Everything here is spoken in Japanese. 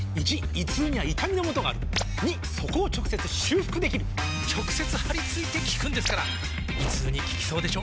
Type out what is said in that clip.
①胃痛には痛みのもとがある②そこを直接修復できる直接貼り付いて効くんですから胃痛に効きそうでしょ？